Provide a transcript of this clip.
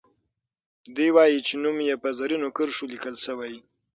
دوي وايي چې نوم یې په زرینو کرښو لیکل سوی.